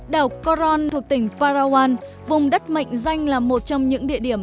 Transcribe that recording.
đảo koron thuộc tỉnh parawan vùng đất mạnh danh là một trong những địa điểm